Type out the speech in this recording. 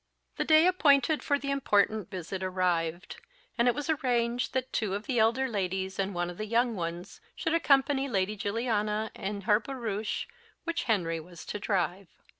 The day appointed for the important visit arrived; and it was arranged that two of the elder ladies and one of the young ones should accompany Lady Juliana in her barouche, which Henry was to drive.